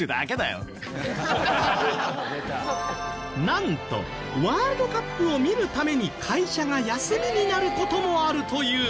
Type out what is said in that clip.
なんとワールドカップを見るために会社が休みになる事もあるという。